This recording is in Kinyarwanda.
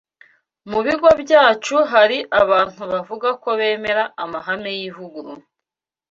Mu bigo byacu hari abantu bavuga ko bemera amahame y’ivugurura